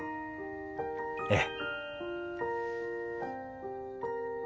ええ。